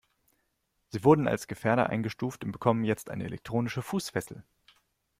Sie wurden als Gefährder eingestuft und bekommen jetzt eine elektronische Fußfessel.